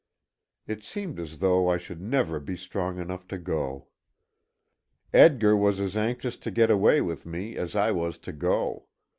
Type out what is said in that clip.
It seemed as though I should never be strong enough to go. Edgar was as anxious to get away with me as I was to go.